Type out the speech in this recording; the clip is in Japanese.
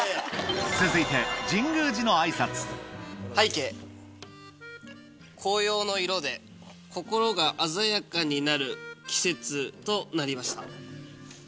続いて「拝啓紅葉の色で心があざやかになる季節となりました」。